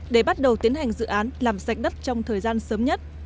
để bắt đầu tiến hành dự án làm sạch đất trong thời gian sớm nhất